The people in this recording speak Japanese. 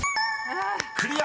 ［クリア！］